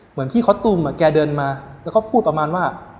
เหมือนพี่เขาตูมแกเดินมาแล้วก็พูดประมาณว่า